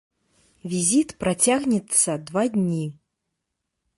Візіт працягнецца два дні.